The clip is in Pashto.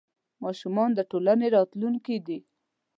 ماشومان د ټولنې راتلونکې دي.